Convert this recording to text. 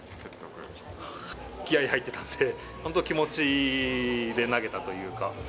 気合い入ってたんで、本当、気持ちで投げたというか。